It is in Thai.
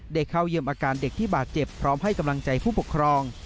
เข้าเยี่ยมอาการเด็กที่บาดเจ็บพร้อมให้กำลังใจผู้ปกครอง